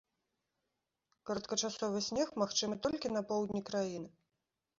Кароткачасовы снег магчымы толькі на поўдні краіны.